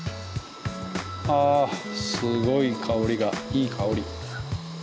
あすごい香りがいい香り。